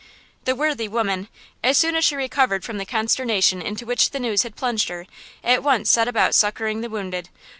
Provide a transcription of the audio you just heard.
The worthy woman, as soon as she recovered from the consternation into which the news had plunged her, at once set about succoring the wounded.